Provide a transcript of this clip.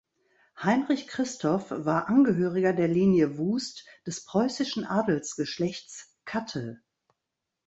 Heinrich Christoph war Angehöriger der Linie Wust des preußischen Adelsgeschlechts Katte.